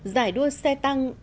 giải đua xe tăng